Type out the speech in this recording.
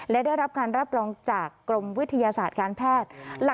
และได้รับการรับรองจากกรมวิทยาศาสตร์การแพทย์